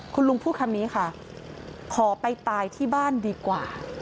คุณลุงพูดคำนี้ค่ะขอไปตายที่บ้านดีกว่า